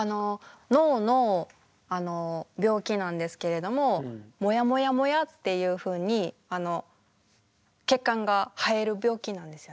脳の病気なんですけれどももやもやもやっていうふうにあの血管が生える病気なんですよね。